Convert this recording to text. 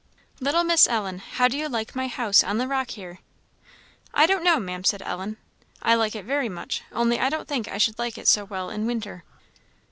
"Little Miss Ellen, how do you like my house on the rock here?" "I don't know, Maam," said Ellen; "I like it very much; only I don't think I should like it so well in winter."